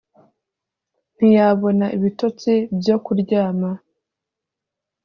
Ntiyabona ibitotsi byo kuryama